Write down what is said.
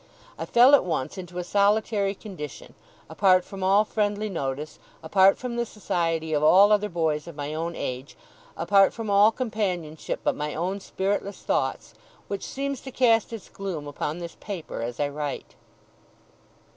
I fell at once into a solitary condition, apart from all friendly notice, apart from the society of all other boys of my own age, apart from all companionship but my own spiritless thoughts, which seems to cast its gloom upon this paper as I write.